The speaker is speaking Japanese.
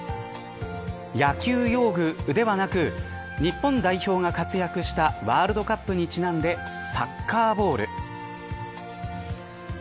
野球用具ではなく日本代表が活躍したワールドカップにちなんでサッカーボール。